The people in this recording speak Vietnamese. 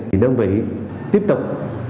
thì đơn vị tiếp tục